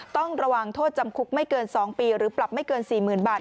ต้องระวังโทษจำคุกไม่เกิน๒ปีหรือปรับไม่เกิน๔๐๐๐บาท